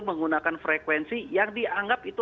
menggunakan frekuensi yang dianggap itu